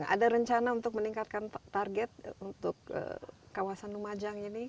ada rencana untuk meningkatkan target untuk kawasan lumajang ini